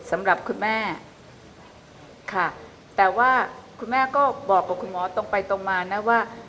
สำหรับคุณแม่ค่ะแต่ว่าคุณแม่ก็บอกกับคุณหมอตรงไปตรงมานะว่า